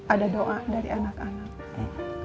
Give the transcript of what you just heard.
ada doa dari anak anak ya